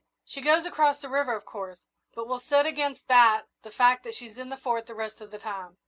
She goes across the river, of course, but we'll set against that the fact that she's in the Fort the rest of the time.